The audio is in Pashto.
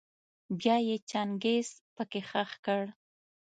بيا يې چنګېز پکي خښ کړ.